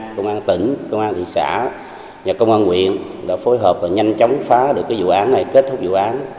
công an tỉnh công an thị xã nhà công an nguyện đã phối hợp và nhanh chóng phá được cái dự án này kết thúc dự án